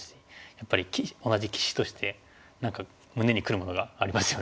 やっぱり同じ棋士として何か胸にくるものがありますよね。